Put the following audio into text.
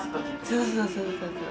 そうそうそうそう。